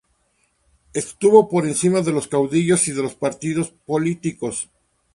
Estuvo por encima de los caudillos y de los partidos políticos.